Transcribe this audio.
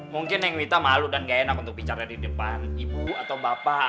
mungkin yang wita malu dan gak enak untuk bicara di depan ibu atau bapak